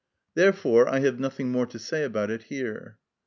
Therefore I have nothing more to say about it here.